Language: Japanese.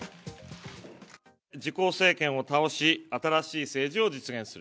自公政権を倒し、新しい政治を実現する。